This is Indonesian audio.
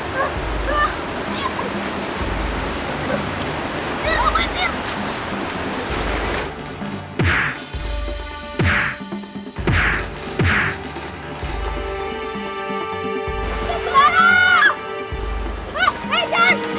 jangan nindu aji jangan